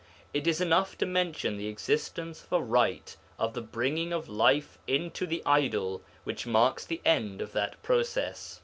It is enough to mention the existence of a rite of the bringing of life into the idol which marks the end of that process.